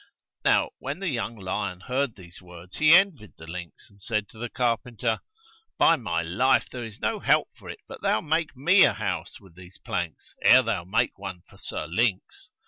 Now when the young lion heard these words he envied the lynx and said to the carpenter, 'By my life there is no help for it but thou make me a house with these planks ere thou make one for Sir Lynx!